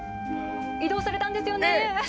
移動されたんですよね？